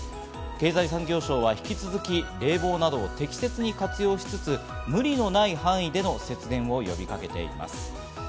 経済産業省は引き続き冷房などを適切に活用しつつ、無理のない範囲での節電を呼びかけています。